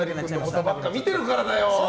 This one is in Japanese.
顔ばっか見てるからだよ。